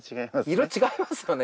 色違いますよね